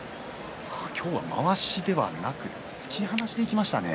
今日はまわしではなく突き放しでいきましたね。